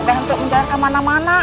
teg untuk mendarah kemana mana